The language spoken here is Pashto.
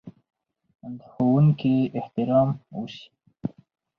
د ښوونکي احترام وشي.